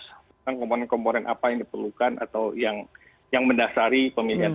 tentang komponen komponen apa yang diperlukan atau yang mendasari pemilihan